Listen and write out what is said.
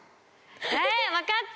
分かった！